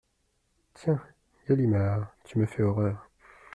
Tiens, Galimard, tu me fais horreur !…